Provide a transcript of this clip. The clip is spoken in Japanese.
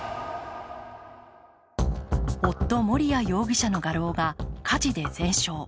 夫・盛哉容疑者の画廊が火事で全焼。